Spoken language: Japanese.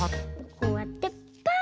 こうやってパッと。